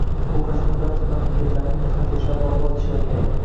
Bu qasrni barcha mamlakatlarning mehnatkashlari barpo etishlari kerak